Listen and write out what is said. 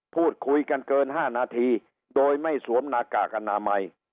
พูดคุยกันเกิน๕นาทีโดยไม่สวมหน้ากากอนามัย